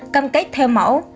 cam kết theo mẫu